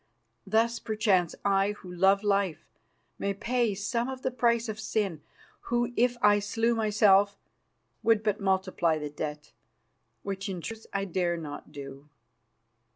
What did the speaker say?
"Thus, perchance, I, who love life, may pay some of the price of sin, who, if I slew myself, would but multiply the debt, which in truth I dare not do."